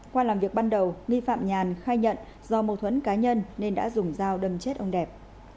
qua làm việc ban đầu nghi phạm nhàn khai nhận do mâu thuẫn cá nhân nên đã dùng dao đâm chết ông đẹp